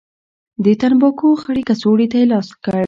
د تنباکو خړې کڅوړې ته يې لاس کړ.